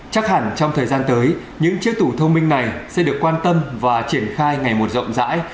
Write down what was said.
chắc hẳn trong thời gian tới những chiếc tủ thông minh này sẽ được quan tâm và triển khai ngày một rộng rãi